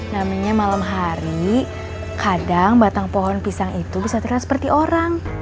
namanya malam hari kadang batang pohon pisang itu bisa terlihat seperti orang